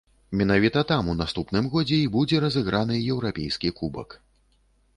Менавіта там у наступным годзе і будзе разыграны еўрапейскі кубак.